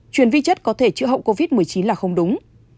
truyền vi chất có thể chữa hậu covid một mươi chín là không đúng